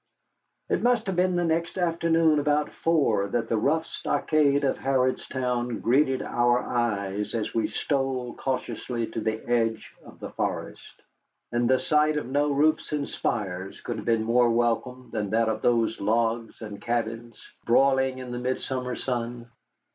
It must have been the next afternoon, about four, that the rough stockade of Harrodstown greeted our eyes as we stole cautiously to the edge of the forest. And the sight of no roofs and spires could have been more welcome than that of these logs and cabins, broiling in the midsummer sun.